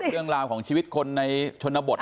เรื่องราวของชีวิตคนในชนบท